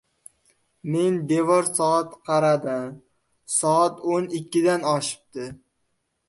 Men devor soat qaradim — soat o‘n ikkidan oshibdi.